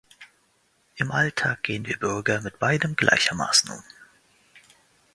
Im Alltag gehen wir Bürger mit beidem gleichermaßen um.